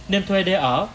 nên thuê để ở